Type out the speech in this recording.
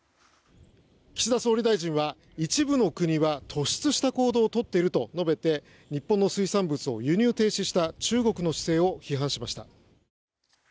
岸田総理大臣は一部の国は突出した行動をとっていると述べて日本の水産物を輸入停止した中国の姿勢を批判しました。